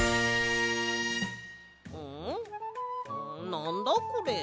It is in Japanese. なんだこれ？